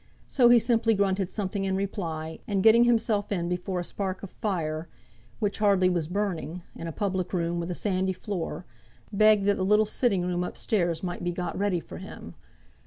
So he simply grunted something in reply, and getting himself in before a spark of fire which hardly was burning in a public room with a sandy floor, begged that the little sitting room up stairs might be got ready for him.